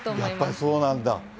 やっぱりそうなんだ。